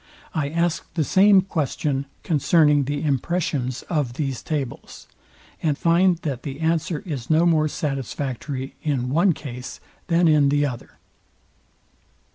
I ask the same question concerning the impressions of these tables; and find that the answer is no more satisfactory in one case than in the other.